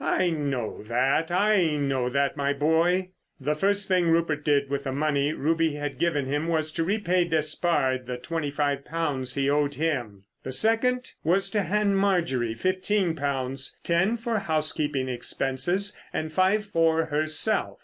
"I know that, I know that, my boy." The first thing Rupert did with the money Ruby had given him was to repay Despard the twenty five pounds he owed him. The second was to hand Marjorie fifteen pounds—ten for housekeeping expenses, and five for herself.